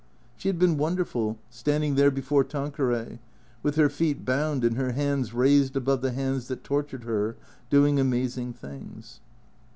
She had been wonderful, standing there before Tanqueray, with her feet bound and her hands raised above the hands that tortured her, doing amazing things.